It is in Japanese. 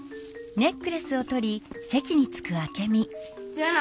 じゃあな。